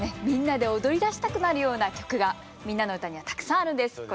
みんなで踊りだしたくなるような曲が「みんなのうた」にはたくさんあるんです。